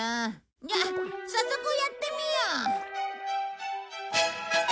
じゃあ早速やってみよう！